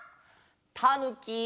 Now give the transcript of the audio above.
たぬき！